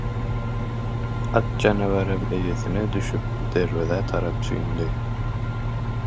At janawerem eýesine düşüp derwezä tarap süýndi.